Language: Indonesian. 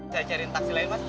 saya cariin taksi lain mas